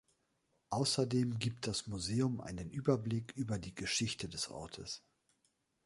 Außerdem gibt das Museum einen Überblick über die Geschichte des Ortes.